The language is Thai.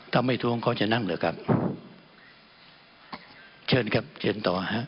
ถ้าไม่ท้วงเขาจะนั่งเหรอครับเชิญครับเชิญต่อฮะ